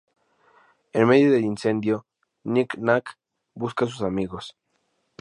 En medio del incendio, Nic-Nac busca a sus amigos.